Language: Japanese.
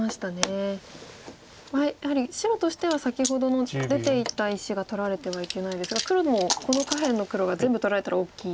やはり白としては先ほどの出ていった石が取られてはいけないですが黒もこの下辺の黒が全部取られたら大きい。